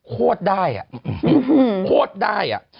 ขดได้อะ